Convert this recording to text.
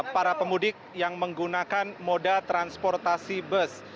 para pemudik yang menggunakan moda transportasi bus